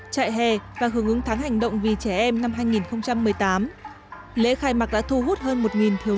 trại hè và hướng ứng tháng hành động vì trẻ em năm hai nghìn một mươi tám lễ khai mạc đã thu hút hơn một thiếu